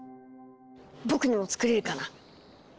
僕にも作れるかな。